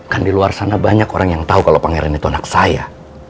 kan di luar sana banyak orang yang tahu kalau pangeran itu anak saya